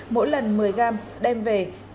mỗi lần một mươi gam đem về